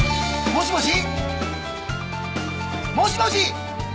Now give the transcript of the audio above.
もしもし！